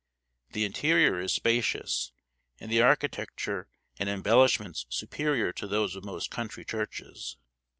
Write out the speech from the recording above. The interior is spacious, and the architecture and embellishments superior to those of most country churches.